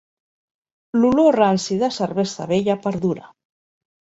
L'olor ranci de cervesa vella perdura.